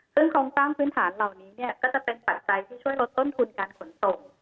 ซึ่งโครงสร้างพื้นฐานเหล่านี้ก็จะเป็นปัจจัยที่ช่วยลดต้นทุนการขนส่ง